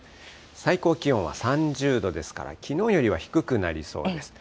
最高気温は３０度ですから、きのうよりは低くなりそうです。